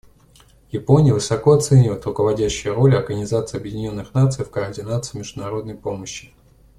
Япония высоко оценивает руководящую роль Организации Объединенных Наций в координации международной помощи.